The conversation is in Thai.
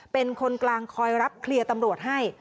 เป็นคนกลางคอยรับเคลียร์ตำรวจให้